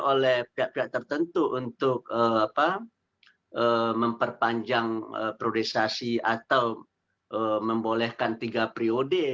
oleh pihak pihak tertentu untuk memperpanjang priorisasi atau membolehkan tiga periode